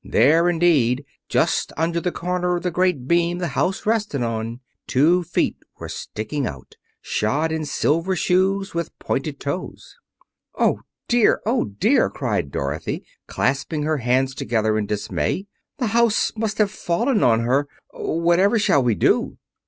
There, indeed, just under the corner of the great beam the house rested on, two feet were sticking out, shod in silver shoes with pointed toes. "Oh, dear! Oh, dear!" cried Dorothy, clasping her hands together in dismay. "The house must have fallen on her. Whatever shall we do?"